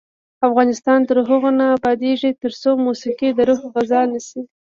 افغانستان تر هغو نه ابادیږي، ترڅو موسیقي د روح غذا نشي.